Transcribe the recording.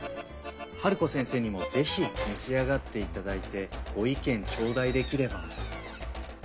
ハルコ先生にもぜひ召し上がっていただいてご意見頂戴できれば。